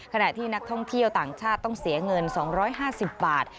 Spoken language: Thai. ขณะที่นักท่องเที่ยวต่างชาติต้องเสียเงิน๒๕๐บาท